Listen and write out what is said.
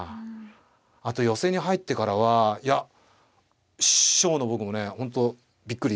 あと寄せに入ってからはいや師匠の僕もね本当びっくり。